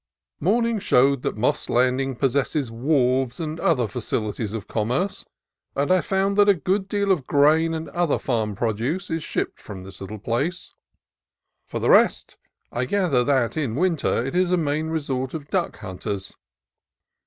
Morning showed that Moss Landing possesses wharves and other facilities of commerce, and I found that a good deal of grain and other farm pro duce is shipped from this little place. For the rest, I gather that in winter it is a main resort of duck hunters.